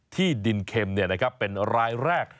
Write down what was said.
ที่ดินเข็มเนี่ยนะครับเป็นรายแรก